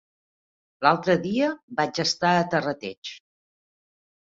L'altre dia vaig estar a Terrateig.